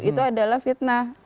itu adalah fitnah